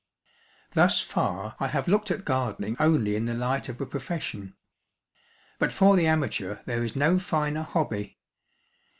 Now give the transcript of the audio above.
Thus far, I have looked at gardening only in the light of a pro fession. But for the amateur there is no finer hobby.